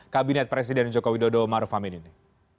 kabinet presiden joko widodo maruf amin ini